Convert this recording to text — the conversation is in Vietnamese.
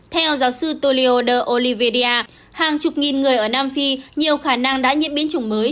theo giáo sư tolio de olivedia hàng chục nghìn người ở nam phi nhiều khả năng đã nhiễm biến chủng mới